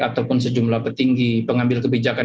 ataupun sejumlah petinggi pengambil kebijakan